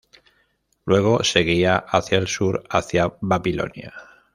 Luego seguía hacia el sur hacia Babilonia.